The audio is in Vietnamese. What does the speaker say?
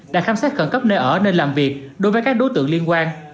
đã khám xét khẩn cấp nơi ở nơi làm việc đối với các đối tượng liên quan